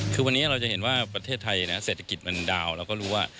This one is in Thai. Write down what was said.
คือวันนี้เราจะเห็นว่าประเทศไทยนะเศรษฐกิจมันดาวเราก็รู้ว่า